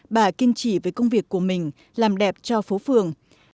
bà không chỉ về công việc của mình làm đẹp cho phố phường